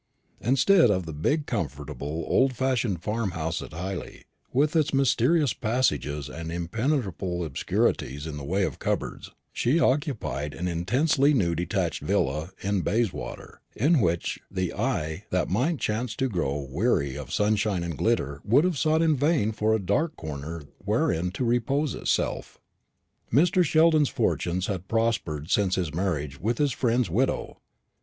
Instead of the big comfortable old fashioned farmhouse at Hyley, with its mysterious passages and impenetrable obscurities in the way of cupboards, she occupied an intensely new detached villa in Bayswater, in which the eye that might chance to grow weary of sunshine and glitter would have sought in vain for a dark corner wherein to repose itself. Mr. Sheldon's fortunes had prospered since his marriage with his friend's widow.